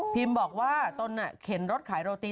บอกว่าตนเข็นรถขายโรตี